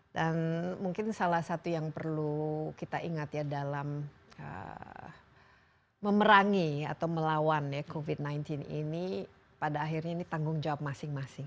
dan mungkin salah satu yang perlu kita ingat dalam memerangi atau melawan covid sembilan belas ini pada akhirnya ini tanggung jawab masing masing